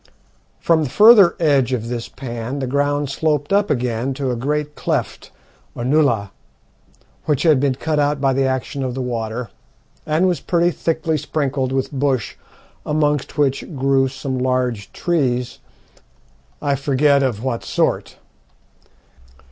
From the further edge of this pan the ground sloped up again to a great cleft, or nullah, which had been cut out by the action of the water, and was pretty thickly sprinkled with bush, amongst which grew some large trees, I forget of what sort.